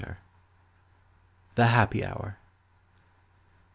THE HArPY HOUR.